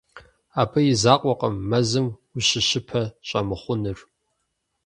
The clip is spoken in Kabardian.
Абы и закъуэкъым мэзым ущыщыпэ щӀэмыхъунур.